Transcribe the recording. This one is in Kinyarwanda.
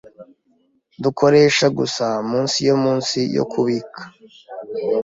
Dukoresha gusa munsi yo munsi yo kubika.